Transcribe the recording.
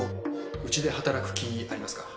うちで働く気ありますか？